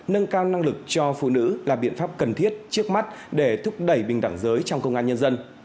nâng cao năng lực cho phụ nữ là biện pháp cần thiết trước mắt để thúc đẩy bình đẳng giới trong công an nhân dân